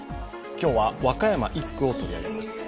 今日は和歌山１区を取り上げます。